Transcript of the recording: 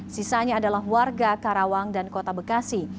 sisanya adalah warga karawang dan kota bekasi